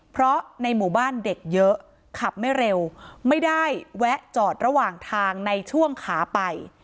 เพราะในหมู่บ้านเด็กเยอะขับไม่เร็วไม่ได้แวะจอดระหว่างทางในช่วงขาไป